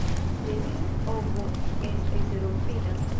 Neniu ovo estis rompita.